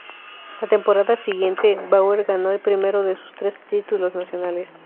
La temporada siguiente, Bauer ganó el primero de sus tres títulos nacionales.